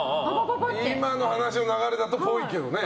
今の話の流れだとっぽいですね。